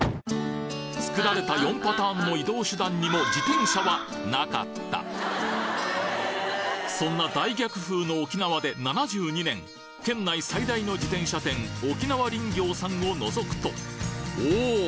作られた４パターンの移動手段にもそんな大逆風の沖縄で７２年県内最大の自転車店沖縄輪業さんをのぞくとおお！